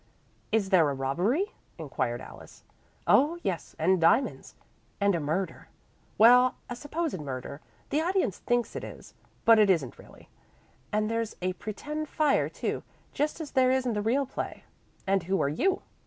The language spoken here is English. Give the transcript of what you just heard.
"Is there a robbery?" inquired Alice. "Oh, yes, diamonds." "And a murder?" "Well, a supposed murder. The audience thinks it is, but it isn't really. And there's a pretend fire too, just as there is in the real play." "And who are you?"